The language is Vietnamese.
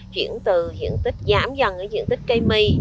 chuyển từ diện tích giảm dần ở diện tích cây mì